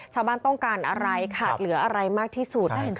ชาวบ้านต้องการอะไรขาดเหลืออะไรมากที่สุด